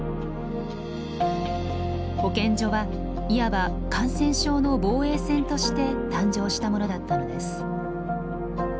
保健所はいわば感染症の防衛線として誕生したものだったのです。